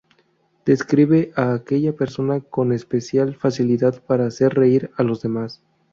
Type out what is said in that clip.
Describe a aquella persona con especial facilidad para hacer reír a los demás.